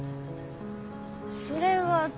それは。